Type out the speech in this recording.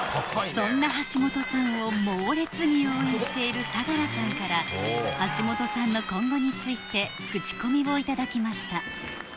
そんな橋本さんを猛烈に応援している相樂さんから橋本さんの今後についてクチコミをいただきました